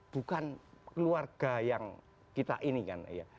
bukan keluarga yang kita ini kan ya